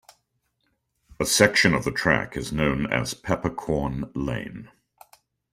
A section of the track is known as Peppercorn Lane.